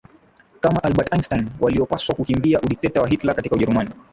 kama Albert Einstein waliopaswa kukimbia udiketa wa Hitler katika Ujerumani